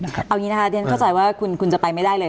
เอาอย่างนี้นะคะเรียนเข้าใจว่าคุณจะไปไม่ได้เลย